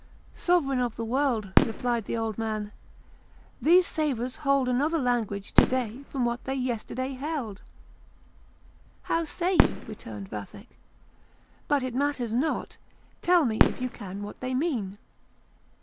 "Sovereign of the world," replied the old man, "these sabres hold another language to day from that they yesterday held." "How say you?" returned Vathek; "but it matters not! tell me, if you can, what they mean."